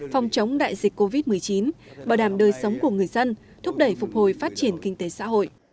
phòng chống đại dịch covid một mươi chín bảo đảm đời sống của người dân thúc đẩy phục hồi phát triển kinh tế xã hội